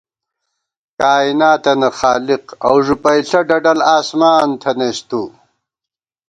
کائیناتَنہ خالق اؤ ݫُوپَئیݪہ ڈڈل آسمان تھنَئیس تُو